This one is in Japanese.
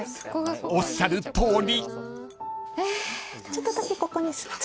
［おっしゃるとおり］